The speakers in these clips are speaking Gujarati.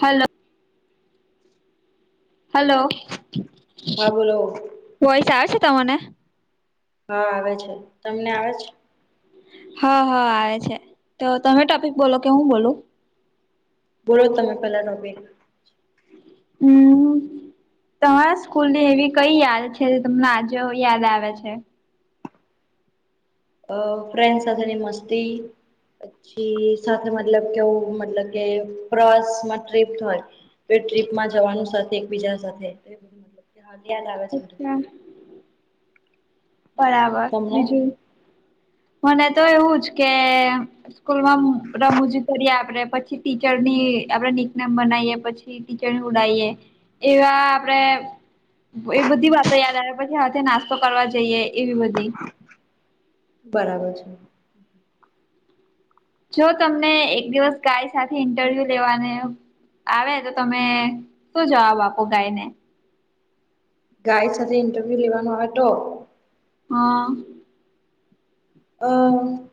હલો. હલો. હા બોલો. વોઈસ આવે છે તમને? હા આવે છે. તમને આવે છ? હા, હા આવે છે. તો તમે ટોપિક બોલો, કે હું બોલું? બોલો, તમે પેલા [unintelligible] હમ્મ. તમારા સ્કૂલ ની એવી કંઈ યાદ છે જે તમને આજે યાદ હ આવે છે? અહ ફ્રેન્ડસ સાથેની મસ્તી પછી સાથે મતલબ કેવું મતલબ કે પ્રવાસમાં ટ્રીપ થઈ તો એ ટ્રીપમાં જવાનું સાથે એકબીજા સાથે [unintelligible] યાદ આવે છે. અચ્છા બરાબર. તમને બીજું, મને તો એવુંજ કે સ્કૂલમાં રમૂજી કરીએ, આપડે પછી ટીચર ની આપડે નીક નામ બનાઈએ, પછી ટી ટીચરની ઉડાઈએ, એવા આપડે એ બધી વાતો યાદ આવે, પછી હાથે નાસ્તો કરવા જઈએ એવી બધી. બરાબર છે. જો તમને એક દિવસ ગાય સાથે ઇન્ટરવ્યુ દેવાને આવે, તો તમે શું જવાબ આપો ગાય ને? ગાય સાથે ઇન્ટરવ્યૂ લેવાનું આવે તો હા. અહ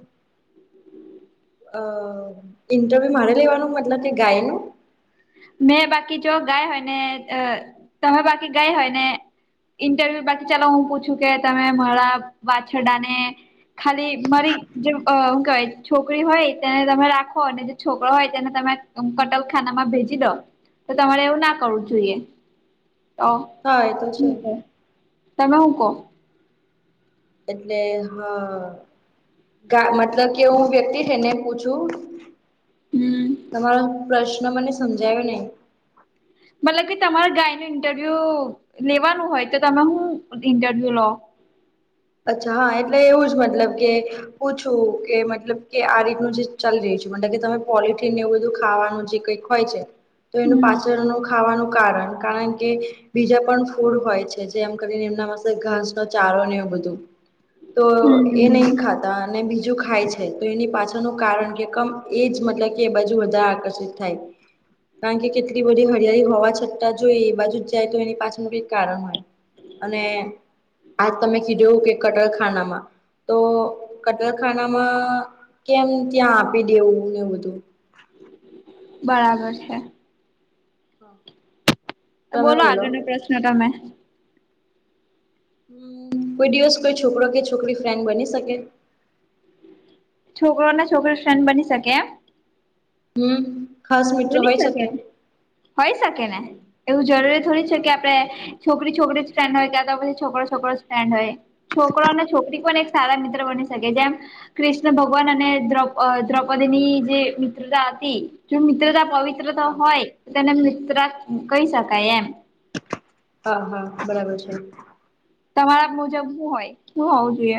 અહ ઇન્ટરવ્યુ મારે લેવાનું મતલબ કે ગાય નું? મેં બાકી જો ગાય હોય ને, અહ તમે બાકી ગાય હોય ને ઇન્ટરવ્યુ બાકી ચાલો હું પૂછું કે તમે મારા વાછરડાને ખાલી મારી જેમ અહ હું કહેવાય છોકરી હોય તેને તમે રાખો અને જે છોકરો હોય તેને તમે આમ કટલખાનામાં ભેજી દો, તો તમારે એવું ના કરવું જોઈએ. ઓ, હા એ તો છે તમે હું કહો? એટલે હા. કા મતલબ કે એવું વ્યક્તિ જેને પૂછું હમ તમારો પ્રશ્ન મને સમજાયો નહીં. મતલબ કે તમારા ગાય નું ઇન્ટરવ્યુ લેવાનું હોય તો તમે હું ઇન્ટરવ્યુ લો? અચ્છા હા, એટલે એવું જ મતલબ કે પૂછું કે મતલબ કે આ રીતનું જે ચાલી રહી છે, મતલબ કે તમે પોલીથીન એવું બધું ખાવાનું જે કંઈક હોય છે તો એનું હમ પાછળનું ખાવાનું કારણ, કારણ કે બીજા પણ ફૂડ હોય છે જ. જેમ કરીને એમના પાસે ઘાસ નો ચારો ને એવું બધું, તો એ હમ નહીં ખાત તા અને બીજું ખાય છે, તો એની પાછળનું કારણ કે કમ એજ મતલબ કે બાજુ વધારે આકર્ષિત થાય કારણ કે કેટલી બધી હરિયાળી હોવા છતાં જો એ બાજુ જ જાય તો એની પાછળનું કઈક કારણ હોય. અને આજ તમે કીધવું કે કટરખાનામાં. તો કતલખાનામાં કેમ ત્યાં આપી દેવું ને એવું બધું. બરાબર છે. હા. તો બોલો આગળનો પ્રશ્ન તમે. હમ્મ, કોઈ દિવસ કોઈ છોકરો કે છોકરી ફ્રેન્ડ બની શકે? છોકરો ને છોકરી ફ્રેન્ડ બની શકે એમ? હમ ખાસ મિત્ર બની હોય શકેને શકે હોય શકે ને એવું જરૂરી થોડી છે હા કે આપડે છોકરી છોકરી ફેન્ડ હોય કે તો પછી છોકરો છોકરો ફેન્ડ હોય. છોકરો અને છોકરી પણ એક સારા મિત્ર બની શકે જેમ‌. કૃષ્ણ ભગવાન અને દ્રૌપદીની જે મિત્રતા હતી. જો મિત્રતા પવિત્રતા હા હોય તો તેને મિત્ર કહી શકાય એમ. હા હા બરાબર છે. તમારા મુજબ શું હોય શું હોવું જોઈએ.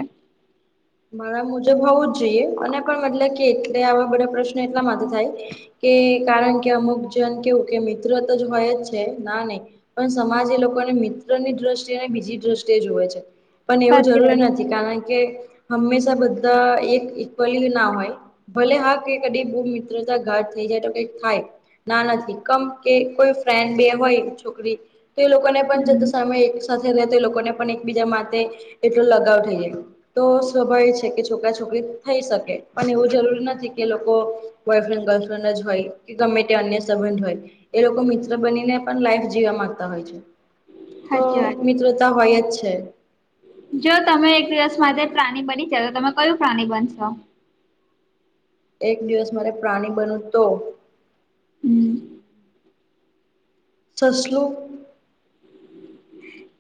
મારા મુજબ હોવું જ જોઈએ અને પણ મતલબ કે એટલે આવા બધા પ્રશ્નો એટલા માટે થાય. કે કારણ કે અમુક જન કેવું કે મિત્ર તો જ હોય જ છે ના ને પણ સમાજ એ લોકોને મિત્રની દ્રષ્ટિએ અને બીજી દ્રષ્ટિએ જુવે છે. પણ એવું સાચી જરૂરી વાત નથી કારણ કે હંમેશા બધા એક ઇક્વલી ના હોય. ભલે હા કઈ કદી બહુ મિત્રતા ઘાટ થઈ જાય તો કઈક થાય. ના નથી કમ કે કોઈ ફ્રેડ બે હોય છોકરી. તો એ લોકોને પણ જત હમ સામે એક સાથે રહે તો એ લોકોને પણ એકબીજા માટે એટલો લગાવ થઈ જાય. તો સ્વાભાવિક છે કે છોકરા છોકરી થઈ શકે પણ એવું જરૂરી નથી કે લોકો. બોયફ્રેન્ડ ગર્લફ્રેન્ડ જ હોય. ગમે તે અન્ય સંબંધ હોય એ લોકો મિત્ર બનીને પણ લાઈફ જીવા માંગતા હોય છે. તો સાચી વાત મિત્રતા હોય જ છે. જો તમે એક દિવસ માટે પ્રાણી બની જ તો તમે કયું પ્રાણી બનશો. એક દિવસ મારે પ્રાણી બનવું તો. હમ સસલું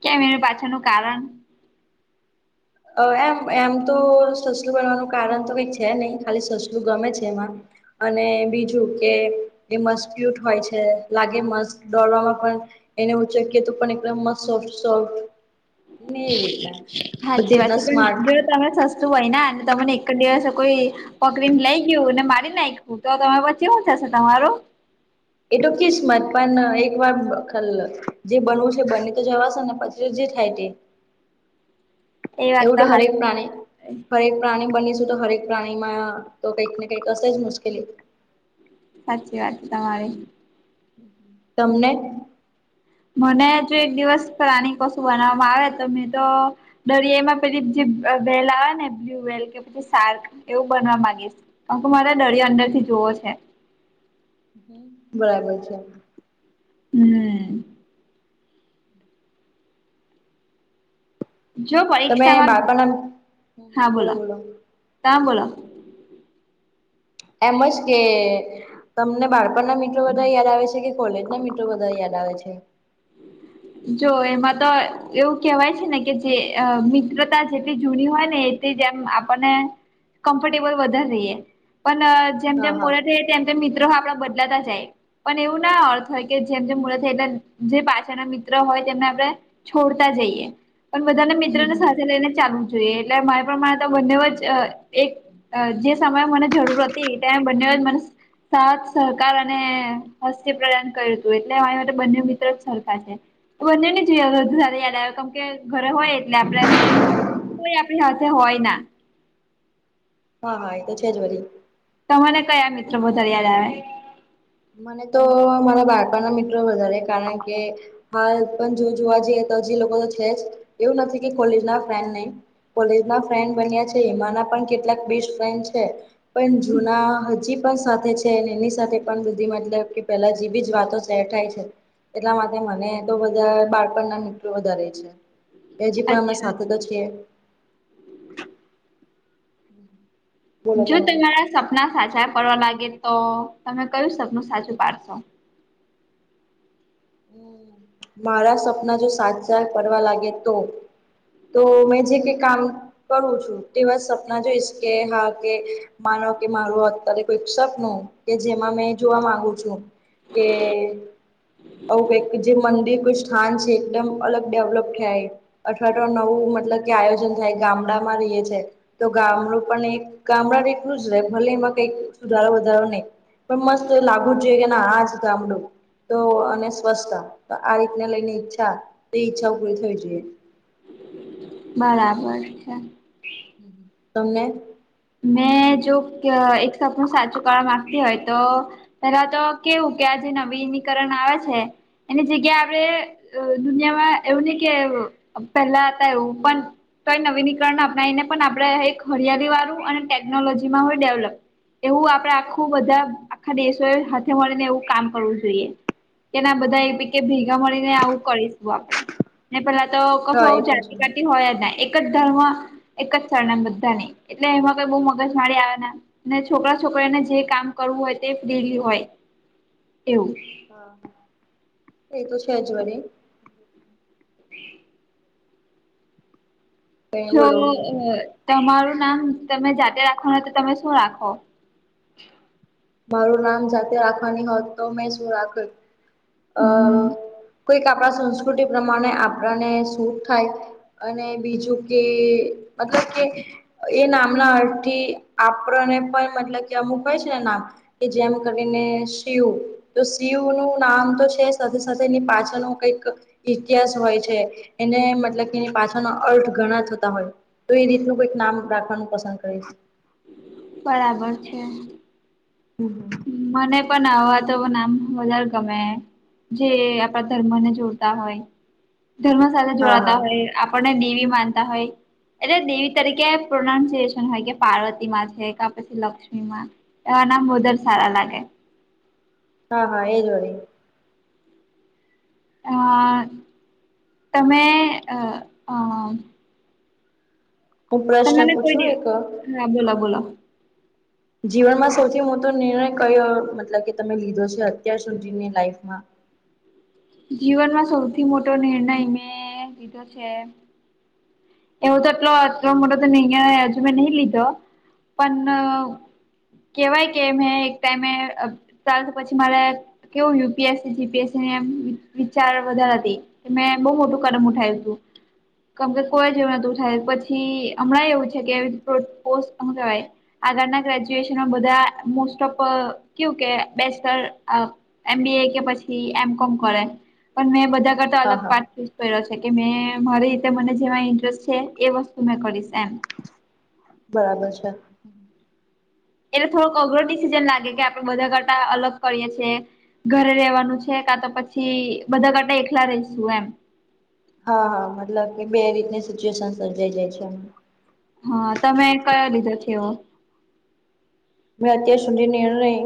કેમ એનું પાછળનું કારણ. એમ એમ તો સસલું બનવાનું કારણ તો કઈક છે નહી ખાલી સસલું ગમે છે એમાં. અને બીજું કે એ મસ્ક્યુટ હોય છે લાગે મસ્ત. દોડવામાં પણ એને ઉચકિયે તો પણ એકમ સોફ સોફ્ટ. ને રેતા સાચી વાત છે પણ જો તમે સસલું હોય અને તમને એક જ દિવસે કોઈ પકડીને લઈ ગયું ને મારી નાખયું. હું તો તમા પછ કેવું થશે તમારું એ તો કિસ્મત પણ એક વાર ખ જે બનવું છે બની તો જવાશે ને પછી જે થાય તે [inaudible] [inaudible] એવું તો હરેક પ્રાણી હરેક પ્રાણી બનીશું તો હરેક. પ્રાણીમાં તો કંઈક ને કંઈ કસે જ મુશ્કેલી. સાચી વાત તમારી તમને મને જો એક દિવસ પ્રાણી કશુ બનાવવામાં આવે તો મેં તો. દરિયામાં પેલી જે વેલ આવે ને બ્લુ વેલ કે પછી સાર્ક એવું બનવા માંગીશ. કાકિ મારે દરિયા અંદર થી જોવો છે. બરાબર છે હમ. જો તમે પરીક્ષામાં બાળપણના હા બોલો ત બોલો. એમસ કે તમને બાળપણ ના મિત્રો બધા યાદ આવે છે કે કોલેજ ના મિત્રો બધા યાદ આવે છે. જો એમાં તો એવું કેહેવાય છે ને કે જે મિત્રતા જેટલી જૂની હોય ને. જેમ આપને કમફર્ટેબલ વધારે રહીએ પણ જેમ હા જેમ. હા તેમ તેમ મિત્રો આપડા બદલાતા જાય. પણ એવું ના અર્થ હોય કે જેમ જેમ મળતા જે પાછળ ના મિત્રો. હોય તેમને આપણે છોડતા જઈએ પણ બધાને મિત્રને સાથે લઈને ચાલવું. જોએ એટલે મારે પ્રમાણે તો બંનેવ જ એક. જે સમયે મને જરૂર હતી ત્યારે બંનેવ મને. સાથ સહકાર અને હસ્તી પ્રદાન કર્યું હતું એટલે અરી માટે બંને મિત્ર જ સરખા છે. બંને ન જોઈએ બધું યાદ આવે કેમ કે ઘરે હોય એટલે આપડે. કોઈ આપણી સાથે હોય ના. હા હા એ તો છે જ વરી. તમને કયા મિત્ર વધારે યાદ આવે. મને તો મારા બાળપના મિત્ર વધારે કારણ કે. હાલ પણ જો જોવા જઈએ તો હજી લોકો તો છે જ એવું નથી કે કોલેજ ના ફ્રેન્ડ નહી. કોલેજ માં ફ્રેન્ડ બન્યા છે એમા ના પણ કેટલાક બેસ્ટ ફ્રેન્ડ છે. પણ જુના હજી પણ સાથે છે અને એની સાથે પણ મતલબ કે પેલા જે બી જ વાતો શેર થાય છે. એટલા માટે મને તો બધા બાળપણના મિત્રો વધારે છે. એ હજી પણ અમે અચ્છા. સાથે તો છીએ. બોલો જો તમે તમારા સપના સાચા પડવા લાગે તો તમે કયું સપનું સાચું પાડશો. હમ. મારા સપના જો સાચા કરવા લાગે તો. તો મેં જે કઈ કામ કરું છું તેવા સપના જોઈશ કે હા કે. માનો કે મારુ અત્યારે કોઈ સક નું કે જેમાં મેં જોવા માંગુ છું. કે. ઓકે જે મંદિર નું સ્થાન છે એકદમ અલગ ડેવલપ થયા એ. અઠવાડિયા નવું મતલબ કે આયોજન થાય ગામડા માં રહીએ છે. તો ગામડું પણ એક ગામડા એટલું જ રહે ભલે એમાં કઈક સુધારો વધારો નહી. પણ મસ્ત લાગ્વૂ જ જોઈએ કે ના આજ તો ગામડુ તો અને. અચ્છા તો આ રીતને લઈને ઈચ્છા એ ઈચ્છા પુરી થવી જોઈએ. બરાબર છે. હમ તમને. મેં જો એક સપનું સાચું કળા માંગતી હોય તો પેલા તો કેવું કે આજે નવીનીકરણ આવે છે. એની જગ્યા આપડે દુનિયામાં એવું નહીં કે પહેલા હતા એવું પણ કે નવીનીકરણ અપનાવીને પણ આપડે હરિયાળી વાળું અને ટેકનોલોજીમાં હોય ડેવલપ. એવું આપડે આખું બધા આખા દેશોએ હાથે મળીને એવું કામ કરવું જોઈએ. એના હા બધા એ હા. બિકે ભેગા મળીને આવું કરીશું આપણેે. ને પેલા તો કશું હા એ આવું પણ જાતિ છે. કરાતિ હોય ન એક જ ધર્મ એક જ સ્ણ બધા નહી. એટલે એમાં કઈ બઉુ મગજ માડી આવે નહી. કે છોકરા, છોકરીને જે કામ કરવું હોય તે ફ્રીલી હોય એવું. હા એ તો છેજ વરી. કઈ જો બોલો તમારું નામ તમે જાતે રાખોવાના હો તો તમે શું રાખો.? મારું નામ જાતે રાખવાની હોત તો મેં શું રાખત? હમ કોઈક આપણા સંસ્કૃતિ પ્રમાણે આપણાને સુટ થાય. અને બીજું કે મતલબ કે એ નામના અર્થ થી આપણને પણ મતલબ કે, અમુક હોય છે ને નામ કે જેમ કરીને શીવ તો શિવ નું નામ તો છે. સાથે સાથે એની પાછળ નું કંઈક ઇતિહાસ હોય છે એને મતલબ કે એ પાછાનો અર્થ ઘણા થતા હોય. તો એ રીતનું કઈક નામ રાખવાનું પસંદ કરીશ. બરાબર છે. હું હું મને પણ આવા તો નામ વધારે ગમે. જે આપણા ધર્મ ને જોડતા હોય ધર્મ સાથે હા જોડાતા હા હોય. આપને દેવી માનતા હોય. એટલે દેવી તરીકે પ્રોનાન્સિએશન હોય કે પાર્વતી માં છે કે પછી લક્ષ્મી માં. એવા નામ વધર સારા લાગે. હા હા એ જ વારી. તમે. હું પ્રશ્ન તમેને પૂછું કઈ એક દ હા બોલો બોલો. જીવનમાં સૌથી મોટો નિર્ણય કયો મતલબ કે તમે લીધો છે અત્યાર સુધીની લાઈફમાં. જીવનમાં સૌથી મોટો નિર્ણય મેં લીધો છે. એવો તો આટલો આટલો મોરો તો અયા હજુ મે નહીં લીધો. પણ. કેવાય કે મેં એક ટાઈમે ચાલ તો પછી મારે. કેવું યુપીએસસી જીપીએસસી ને. વિચાર વધારા હતી એ મેં બહુ મોટું કદમ હા ઉઠાવું હતું. કેમ કે કોઈ જેવું નતું થાય પછી હમણાં એવું છે કે ર કહેવાય. આગળના ગ્રેજ્યુએશનમાં બધા મોસ્ટ ઓફ કું કે બેસ્ટર. એમ બી એ કે પછી એમ કોમ કરે પણ મેં બધા કરતા અલગ હા પા. ્યો છે કે મેં મારી રીતે મને જેવા ઇન્ટરેસ્ટ છે એ વસ્તુ મે કરીશ એમ. બરાબર છે. એટલે થોડોક અઘરો ડિસિઝન લાગે કે આપડે બધા કરતા અલગ કરીએ છીએ. ઘરે રેવાનું છે કા તો પછી બધા કાંટા એકલા રહીશું એમ. હા હા મતલબ કે બે રીતની સિચ્યુએશન સર્જાઈ જાય છે. હા તમે કયો લીધો છેવો. મેં અત્યાર સુધી નેણ નહી.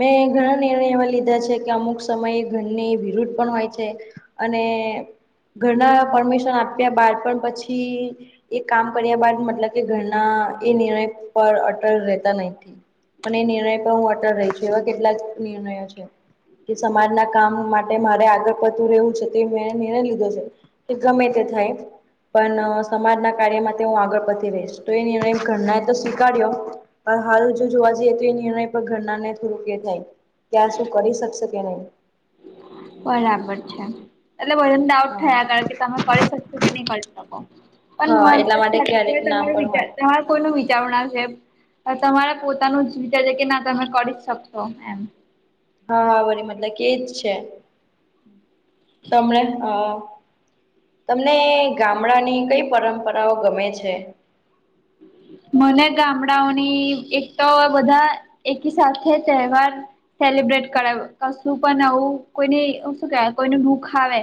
મેં ઘણા નિર્ણય એવા લીધા છે કે અમુક સમયે ઘરની વિરુદ્ધ પણ હોય છે. અને ઘરના પરમિશન આપ્યા બાર પણ પછી. એ કામ કર્યા બાદ મતલબ કે ઘરણા એ નિર્ણય પર અટલ રહેતા નથી હ. પણ એ નિર્ણય પર હું અટલ રહી છું એવા કેટલાક નિર્ણયો છે. કે સમાજના કામ માટે મારે આગળ પતું રહેવું છે તે મેં નિર્ણય લીધો છે. તે ગમે તે થાય. પણ સમાજના કાર્યમાં તે હું આગળ પડતી રહીશ તો એ નિર્ણય ઘરના એ તો સ્વીકારડ્યો. પર હાલ. જોવા જઈએ તો એ નિર્ણય પર ઘરના ને થોડું કે થાય ત્યાં શું કરી શકશે કે નહી. બરાબર છે એટલે બધાને ડાઉટ હા થયા હા કારણ કે તમે કરી શકશો કે નહી કરી શકો. પણ મ હા એટલા માટે [unintelligible] ક્યારેક ના તમારો પણ વિચાર હોય તમા. કોઈ નુ વિચાર ના છે તમારા પોતાનું જ વિચાર છે કે ના તમે કરી જ શકશો એમ. હા હા વરી મતલબ કેજ છે. તમણે આ. તમને ગામડાની કઈ પરંપરાઓ ગમે છે. મને ગામડાઓની એક તો બધા એકી સાથે તહેવાર. સેલિબ્રેટ કરાવ કશું પણ આવું કોઈને શું કેવાય કોઈનું દુખ આવે.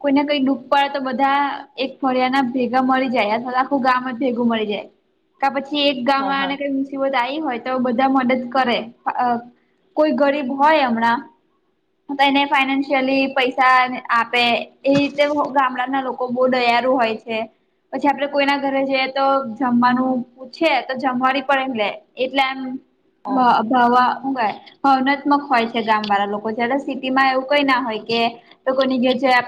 કોઈને કઈ દુઃખ પડે તો બધા એક ફળિયા ના ભેગા મળી જાય અથવા તો આખું ગામ જ ભેગું મળી જાય. પછી એક હા ગામમાં હા ક. આવી હોય તો બધા મદદ કરે કોઈ ગરીબ હોય હમણાં. કઈ નહિ ફાઈનાન્શિયલી પૈસા આપે એ રીતે ગામડાના લોકો. લોકો બહુ દયારું હોય છે પછી આપડે કોઈના ઘરે જઈએ તો. જમવાનું પૂછે તો જમવા પડ એમ લે એટલે એમ હા ભ હા ભવા હુગાય ભાવનાત્મક હોય છે ગામ વાળા લોકો છે એટ સિટીમાં એવું કઈ ના હોય કે તો કોઈની ઘેર જા